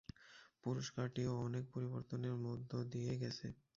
পুরস্কারটিও অনেক পরিবর্তনের মধ্য দিয়ে গেছে।